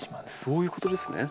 そういうことですね。